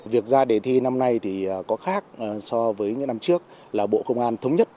việc ra đề thi năm nay thì có khác so với những năm trước là bộ công an thống nhất